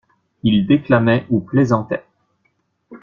Ils déclamaient ou plaisantaient.